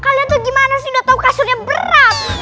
kalian tuh gimana sih udah tau kasurnya berat